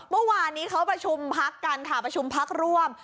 เมื่อวานนี้เขาประชุมพักกันค่ะประชุมพักร่วม